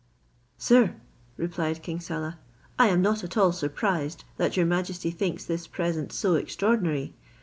"Sir," replied King Saleh, "I am not at all surprised that your majesty thinks this present so extraordinary.